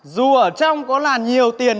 dù ở trong có là nhiều tiền